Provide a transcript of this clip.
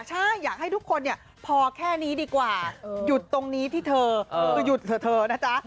ใช่อยากให้ทุกคนเนี่ยพอแค่นี้ดีกว่าหยุดตรงนี้ที่เธอคือหยุดเถอะเธอนะจ๊ะ